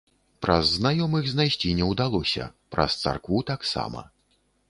Праз знаёмых знайсці не ўдалося, праз царкву таксама.